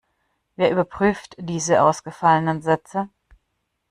Wer überprüft diese ausgefallenen Sätze?